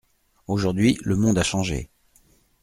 Aujourd’hui, le monde a changé.